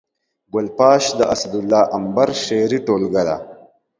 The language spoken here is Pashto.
ګل پاش د اسدالله امبر شعري ټولګه ده